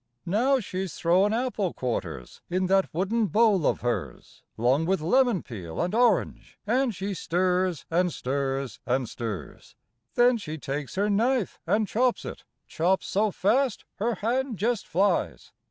Now she's throwin' apple quarters In that wooden bowl of hers, 'Long with lemon peel and orange, An' she stirs, an' stirs, an' stirs. Then she takes her knife an' chops it, Chops so fast her hand jest flies.